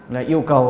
là yêu cầu